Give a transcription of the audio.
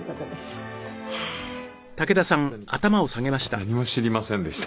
何も知りませんでした。